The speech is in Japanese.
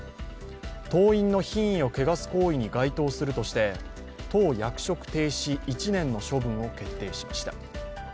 党員の品位を汚す行為に該当するとして、党役職停止１年の処分を決定しました。